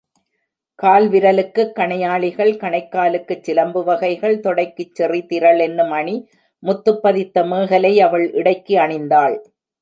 கால்விரலுக்குக் கணையாழிகள் கணைக்காலுக்குச் சிலம்பு வகைகள் தொடைக்குச் செறிதிரள் என்னும் அணி முத்துப்பதித்த மேகலை அவள் இடைக்கு அணிந்தாள்.